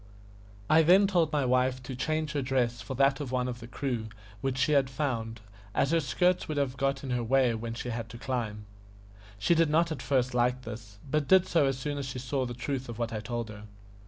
I then told my wife to change her dress for that of one of the crew which she had found, as her skirts would have got in her way when she had to climb. She did not at first like this, but did so as soon as she saw the truth of what I told her.